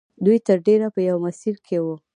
دوی تر ډېره په یوه مسیر کې وو